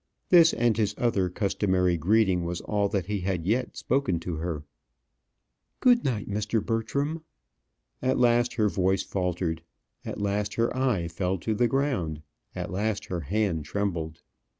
This and his other customary greeting was all that he had yet spoken to her. "Good night, Mr. Bertram." At last her voice faltered, at last her eye fell to the ground, at last her hand trembled.